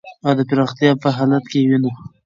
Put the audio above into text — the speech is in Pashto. او د پرمختیا په حالت کی یې وېنو .